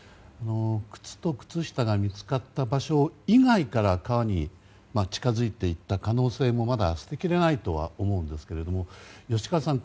靴と靴下が見つかった場所以外から川に近づいて行った可能性もまだ捨てきれないとは思うんですけども吉川さん